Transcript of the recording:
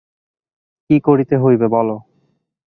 কী করিতে হইবে, বলো।